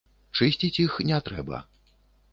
Чысціць іх не трэба.